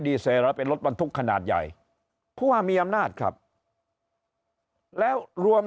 รถเป็นรถบรรทุกขนาดใหญ่เพราะว่ามีอำนาจครับแล้วรวม